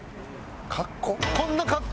格好？